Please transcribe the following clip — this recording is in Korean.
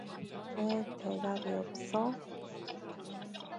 왜 대답이 없어?